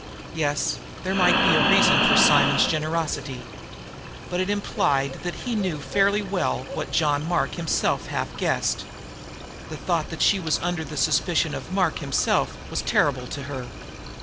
Yes, there might be a reason for Simonds' generosity. But that implied that he knew fairly well what John Mark himself half guessed. The thought that she was under the suspicion of Mark himself was terrible to her.